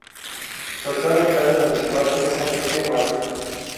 Su actual Alcalde Municipal es Enrique Matute.